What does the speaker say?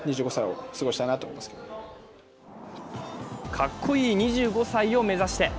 かっこいい２５歳を目指して。